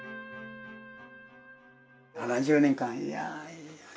７０年間いやぁ。